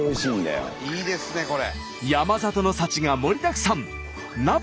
いいですねこれ。